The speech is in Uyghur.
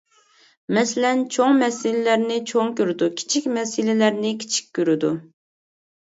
مەسىلەن، چوڭ مەسىلىلەرنى چوڭ كۆرىدۇ، كىچىك مەسىلىلەرنى كىچىك كۆرىدۇ.